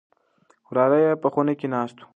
وراره يې په خونه کې ناست و.